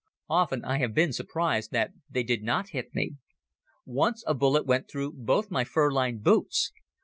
Often I have been surprised that they did not hit me. Once a bullet went through both my furlined boots.